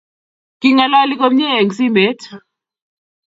King'alali komyee eng simet